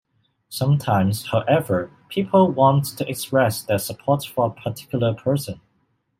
Sometimes, however, people want to express their support for a particular person.